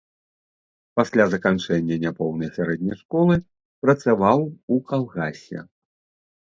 Пасля заканчэння няпоўнай сярэдняй школы працаваў у калгасе.